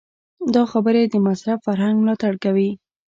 دا خبرې د مصرف فرهنګ ملاتړ کوي.